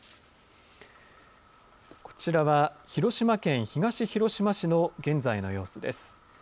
こちらは、広島県東広島市の現在の様子です。